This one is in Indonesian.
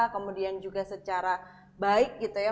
kemudian juga secara baik gitu ya